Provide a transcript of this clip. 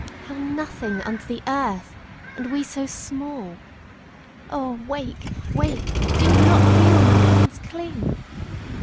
How nothing unto the earth—and we so small! Oh, wake, wake!—do you not feel my hands cling?